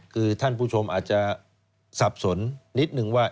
คือท่านผู้ชมอาจจะสับสนนิดนึงว่า